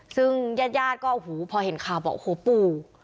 ซึ่งญาติญาติก็โอ้โหพอเห็นข่าวบอกโอ้โหปู่